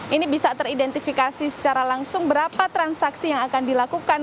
ini bisa teridentifikasi secara langsung berapa transaksi yang akan dilakukan